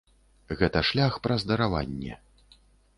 Гэта шлях праз дараванне.